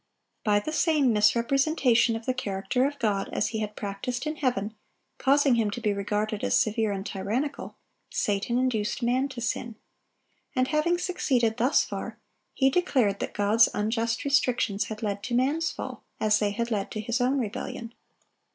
By the same misrepresentation of the character of God as he had practised in heaven, causing Him to be regarded as severe and tyrannical, Satan induced man to sin. And having succeeded thus far, he declared that God's unjust restrictions had led to man's fall, as they had led to his own rebellion.